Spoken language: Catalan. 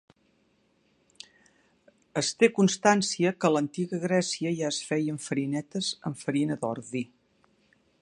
Es té constància que a l'antiga Grècia ja es feien farinetes amb farina d'ordi.